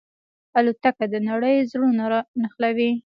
الوتکه د نړۍ زړونه نښلوي.